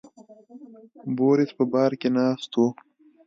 بوریس په بار کې ناست و.